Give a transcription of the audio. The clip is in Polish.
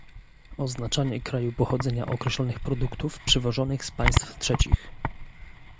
Oznaczanie kraju pochodzenia określonych produktów przywożonych z państw trzecich